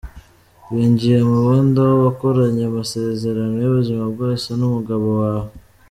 Winjiye mu bundi aho wakoranye amasezerano y’ubuzima bwose n’umugabo wawe.